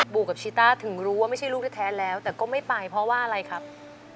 ูกับชิต้าถึงรู้ว่าไม่ใช่ลูกแท้แล้วแต่ก็ไม่ไปเพราะว่าอะไรครับ